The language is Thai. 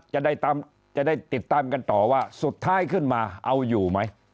จะได้จะได้ติดตามกันต่อว่าสุดท้ายขึ้นมาเอาอยู่ไหม